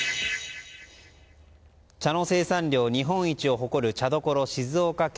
茶の生産量、日本一を誇る茶どころ静岡県。